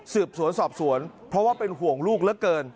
สืบสวนสอบสวนเพราะว่าเป็นห่วงลูกเหลือเกิน